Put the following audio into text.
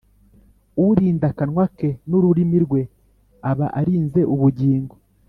Urinda akanwa ke n’ ururimi rwe aba arinze ubugingo